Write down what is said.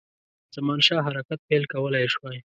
زمانشاه حرکت پیل کولای شوای.